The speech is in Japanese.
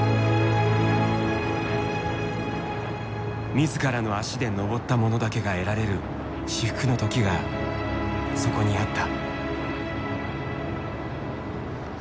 自らの足で登った者だけが得られる至福の時がそこにあった。